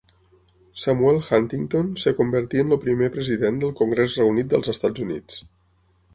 Samuel Huntington es convertí en el primer president del Congrés Reunit dels Estats Units.